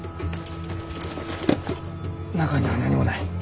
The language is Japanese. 中には何もない。